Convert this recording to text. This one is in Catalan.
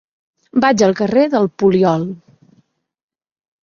Vaig al carrer del Poliol.